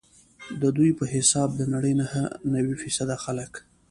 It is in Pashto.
ددوی په حساب د نړۍ نهه نوي فیصده خلک.